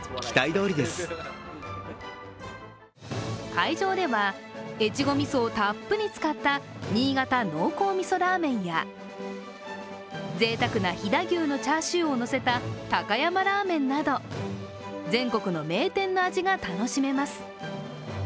会場では、越後みそをたっぷり使った新潟濃厚みそラーメンやぜいたくな飛騨牛のチャーシューをのせた高山ラーメンなど、全国の名店の味が楽しめます。